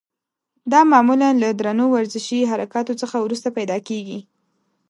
دا معمولا له درنو ورزشي حرکاتو څخه وروسته پیدا کېږي.